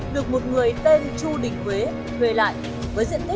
điều này không khỏi đặt ra dấu hỏi